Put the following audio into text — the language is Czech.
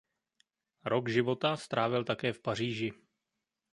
Rok života strávil také v Paříži.